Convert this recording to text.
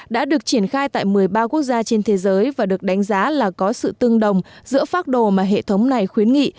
đã được triển khai tại một mươi ba quốc gia trên thế giới và được đánh giá là có sự tương đồng giữa phác đồ mà hệ thống này khuyến nghị